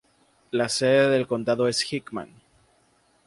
La sede del condado es Hickman.